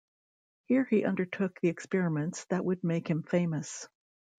Here he undertook the experiments that would make him famous.